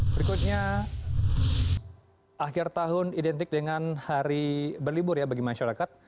berikutnya akhir tahun identik dengan hari berlibur ya bagi masyarakat